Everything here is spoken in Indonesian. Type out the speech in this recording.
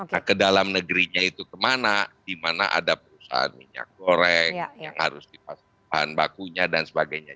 nah ke dalam negerinya itu kemana di mana ada perusahaan minyak goreng yang harus dipasok bahan bakunya dan sebagainya